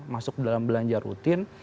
masuk dalam belanja rutin